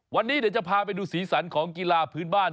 วันนี้เดี๋ยวจะพาไปดูสีสันของกีฬาพื้นบ้าน